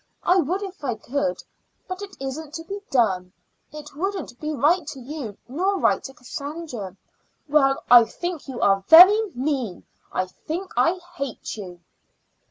I would if I could, but it isn't to be done. It wouldn't be right to you, nor right to Cassandra." "Well, I think you are very mean; I think I hate you."